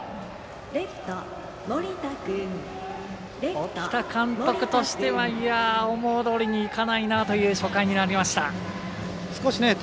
沖田監督としては思うとおりにいかないなという初回になりました。